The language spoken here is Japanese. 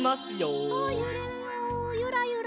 ゆれるよゆらゆら。